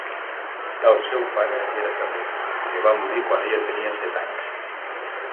El seu pare era camioner, que va morir quan ella tenia set anys.